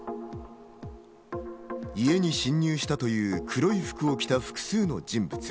家に侵入したという、黒い服を着た複数の人物。